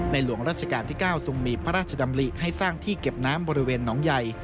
หลวงราชการที่๙ทรงมีพระราชดำริให้สร้างที่เก็บน้ำบริเวณหนองใหญ่